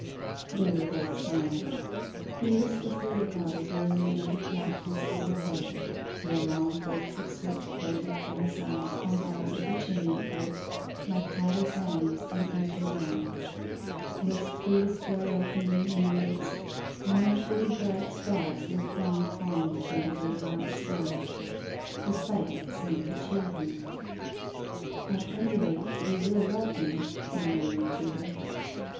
They were both silent. He listlessly regarded the illuminated blackness overhead, where long flakes of soot floated from the sides and bars of the chimney throat like tattered banners in ancient aisles; whilst through the square opening in the midst one or two bright stars looked down upon them from the grey March sky. The sight seemed to cheer him. 'At any rate you will love me?' he murmured to her.